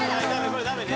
これダメね